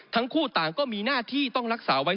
ทั้งคู่ต่างก็มีหน้าที่ต้องรักษาไว้